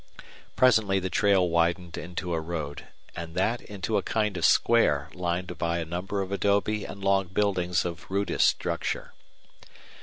Presently the trail widened into a road, and that into a kind of square lined by a number of adobe and log buildings of rudest structure.